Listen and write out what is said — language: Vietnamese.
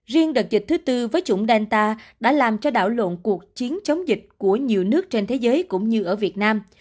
riêng đợt dịch thứ tư với chủng delta đã làm cho đảo lộn cuộc chiến chống dịch của nhiều nước trên thế giới cũng như ở việt nam